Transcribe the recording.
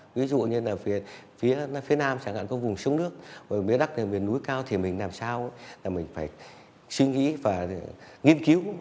ví dụ như phía nam chẳng hạn có vùng sông nước miền đắc miền núi cao thì mình làm sao là mình phải suy nghĩ và nghiên cứu